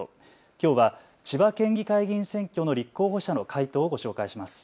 きょうは千葉県議会議員選挙の立候補者の回答をご紹介します。